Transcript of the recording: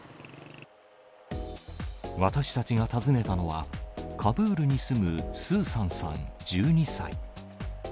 私たちが訪ねたのは、カブールに住むスーサンさん１２歳。